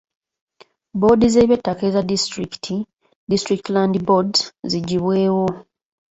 Bboodi z’eby'ettaka eza disitulikiti (District Land Boards) ziggyibwewo.